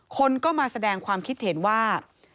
คนก็มาแสดงความคิดเห็นว่า